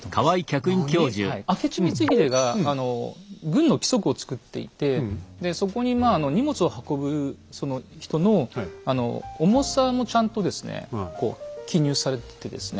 なに⁉明智光秀が軍の規則を作っていてそこに荷物を運ぶ人の重さもちゃんとですね記入されててですね